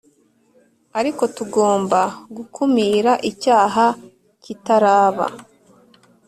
Ariko tugomba gukumira icyaha kitaraba